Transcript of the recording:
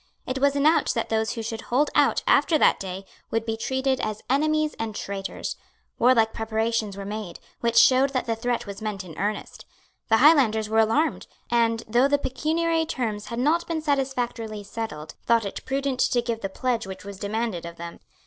It was announced that those who should hold out after that day would be treated as enemies and traitors. Warlike preparations were made, which showed that the threat was meant in earnest. The Highlanders were alarmed, and, though the pecuniary terms had not been satisfactorily settled, thought it prudent to give the pledge which was demanded of them.